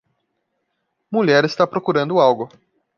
Mulher está procurando algo.